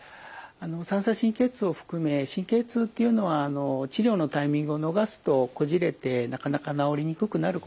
三叉神経痛を含め神経痛っていうのは治療のタイミングを逃すとこじれてなかなか治りにくくなることがございます。